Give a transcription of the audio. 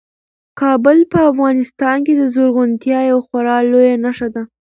کابل په افغانستان کې د زرغونتیا یوه خورا لویه نښه ده.